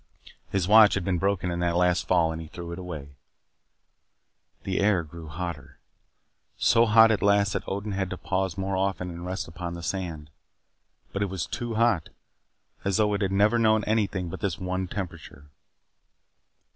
His watch had been broken in that last fall. He threw it away. The air grew hotter. So hot at last that Odin had to pause more often and rest upon the sand. But it too was hot, as though it had never known anything but this one temperature.